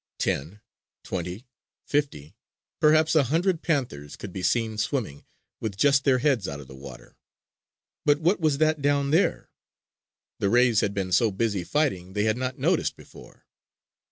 Ten, twenty, fifty, perhaps a hundred panthers could be seen swimming with just their heads out of water. But what was that down there? The rays had been so busy fighting they had not noticed before.